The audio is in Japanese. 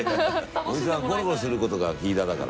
おじさんはゴロゴロすることがフィーダーだから。